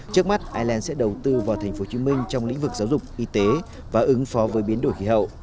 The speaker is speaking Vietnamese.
trước mắt ireland sẽ đầu tư vào thành phố hồ chí minh trong lĩnh vực giáo dục y tế và ứng phó với biến đổi khí hậu